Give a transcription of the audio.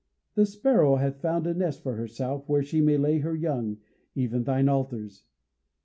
"The sparrow hath found a nest for herself where she may lay her young, even thine altars."